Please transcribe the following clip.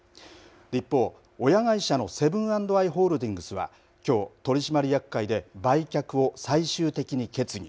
一方、親会社のセブン＆アイ・ホールディングスはきょう、取締役会で売却を最終的に決議。